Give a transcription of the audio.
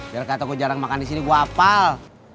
biar kata gue jarang makan disini gue hafal